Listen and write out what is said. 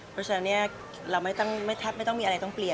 เก๋จะมีโอกาสได้ใช้ชุดคู่กับผู้ชายที่เป็นเพื่อนที่ดีที่สุดของเก๋ด้วย